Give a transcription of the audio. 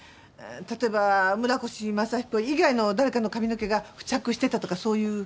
例えば村越正彦以外の誰かの髪の毛が付着してたとかそういう。